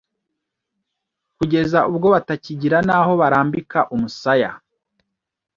kugeza ubwo batakigira n’aho barambika umusaya.